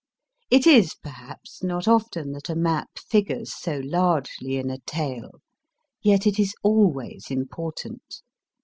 It is, perhaps, not often that a map figures so largely in a tale, yet it is always important.